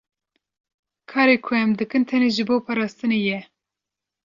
Karê ku em dikin tenê ji bo parastinê ye.